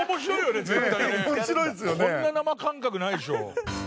こんな生感覚ないでしょ。